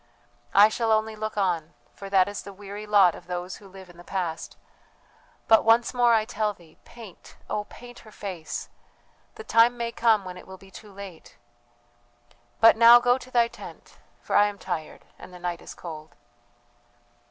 "I shall only look on; for that is the weary lot of those who live in the past: but once more I tell thee, paint, oh, paint her face the time may come when it will be too late! "But now go to thy tent, for I am tired and the night is cold."